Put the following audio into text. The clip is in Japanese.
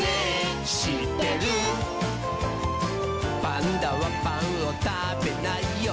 「パンダはパンをたべないよ」